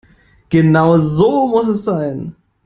Genau so muss es sein.